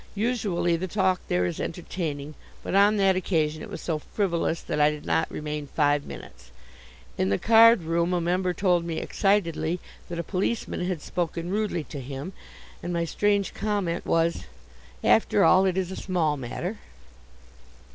Usually the talk there is entertaining; but on that occasion it was so frivolous that I did not remain five minutes. In the card room a member told me, excitedly, that a policeman had spoken rudely to him; and my strange comment was: "After all, it is a small matter."